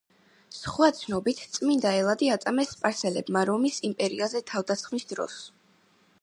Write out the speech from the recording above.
სხვა ცნობით, წმინდა ელადი აწამეს სპარსელებმა რომის იმპერიაზე თავდასხმის დროს.